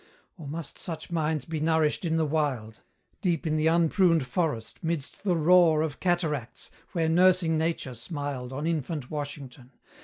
Or must such minds be nourished in the wild, Deep in the unpruned forest, midst the roar Of cataracts, where nursing nature smiled On infant Washington?